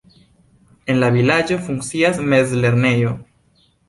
En la vilaĝo funkcias mezlernejo.